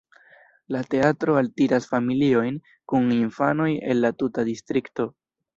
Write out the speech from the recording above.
La teatro altiras familiojn kun infanoj el la tuta distrikto.